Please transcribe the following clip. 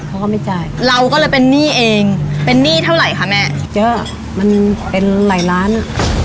เขาก็ไม่จ่ายเราก็เลยเป็นหนี้เองเป็นหนี้เท่าไหร่คะแม่ก็มันเป็นหลายล้านอ่ะ